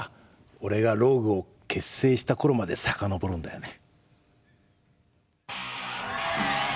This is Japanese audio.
俺がＲＯＧＵＥを結成した頃まで遡るんだよね。